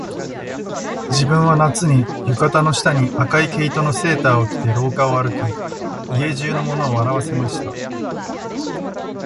自分は夏に、浴衣の下に赤い毛糸のセーターを着て廊下を歩き、家中の者を笑わせました